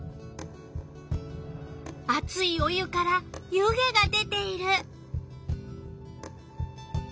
あついお湯から湯気が出ている。